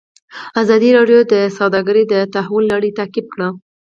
ازادي راډیو د سوداګري د تحول لړۍ تعقیب کړې.